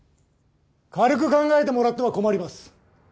軽く考えてもらっては困ります。